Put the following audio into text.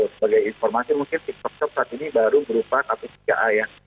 sebagai informasi mungkin tiktok shop saat ini baru berupa satu tiga a ya